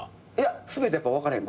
全てやっぱ分からへん。